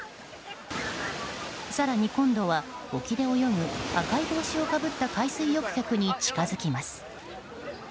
更に今度は沖で泳ぐ赤い帽子をかぶった海水浴客に近づきます。